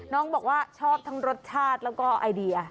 น้องบอกว่าชอบทั้งรสชาติแล้วก็ไอเดีย